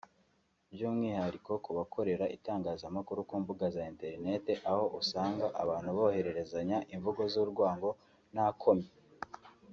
by’umwihariko ku bakorera itangazamakuru ku mbuga za internet aho usanga abantu bohererezanya imvugo z’urwango nta komyi